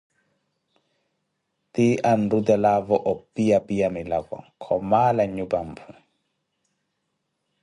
Ti anrutelaavo opiya opiya milako, khoomala nyupa mphu.